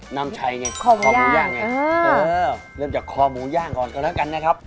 น้ำชัยไงคอหมูย่างไงเออเริ่มจากคอหมูย่างก่อนก็แล้วกันนะครับ